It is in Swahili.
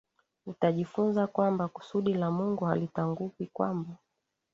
Utajifunza kwamba kusudi la Mungu halitanguki kwamba